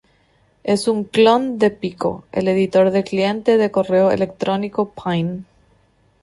Es un clon de Pico, el editor del cliente de correo electrónico Pine.